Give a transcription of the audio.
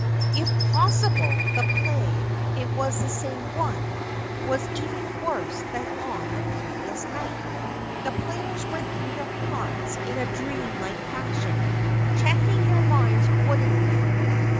If possible the play it was the same one was even worse than on the previous night. The players went through their parts in a dream like fashion, chanting their lines woodenly.